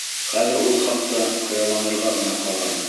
Хәҙер ул хаҡта хыялланырға ғына ҡала.